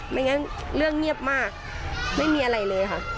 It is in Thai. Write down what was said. ไม่งั้นเรื่องเงียบมากไม่มีอะไรเลยค่ะ